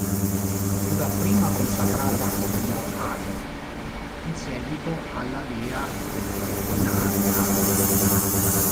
Fu dapprima consacrata al dio Anu, in seguito alla dea Inanna.